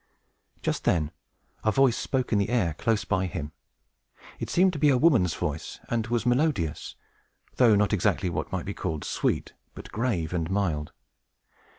Just then a voice spoke in the air close by him. It seemed to be a woman's voice, and was melodious, though not exactly what might be called sweet, but grave and mild.